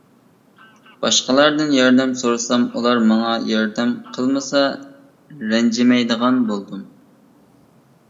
باشقىلاردىن ياردەم سورىسام ئۇلار ماڭا ياردەم قىلمىسا رەنجىمەيدىغان بولدۇم.